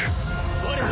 我ら。